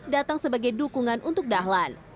datang sebagai dukungan untuk dahlan